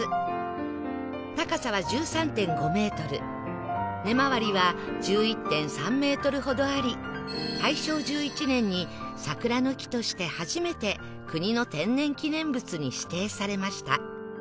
高さは １３．５ メートル根回りは １１．３ メートルほどあり大正１１年に桜の木として初めて国の天然記念物に指定されました